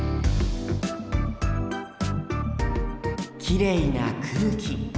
きれいな空気。